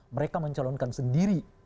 mereka mencalonkan sendiri